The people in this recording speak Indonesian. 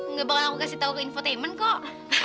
nggak bakal aku kasih tau ke infotainment kok